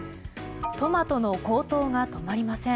トマトの高騰が止まりません。